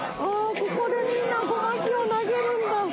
ここでみんな護摩木を投げるんだ。